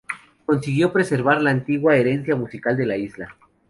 Consiguió preservar la antigua herencia musical de la isla.